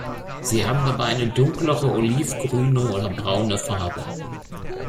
Sie haben dabei eine dunklere, olivgrüne oder braune Farbe.